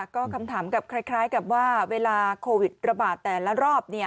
ก็คำถามกับคล้ายกับว่าเวลาโควิดระบาดแต่ละรอบ